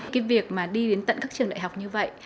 cái việc mà đi đến tận các trường đại học như vậy